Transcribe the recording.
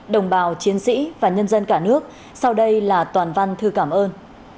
đồng bào chiến sĩ và nhân dân cả nước sau đây là toàn văn thư cảm ơn